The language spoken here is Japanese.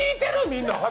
みんな話。